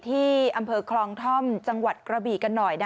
ที่อำเภอคลองท่อมจังหวัดกระบีกันหน่อย